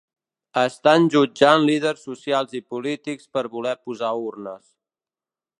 Estan jutjant líders socials i polítics per voler posar urnes.